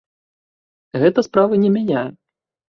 Гэта справы не мяняе.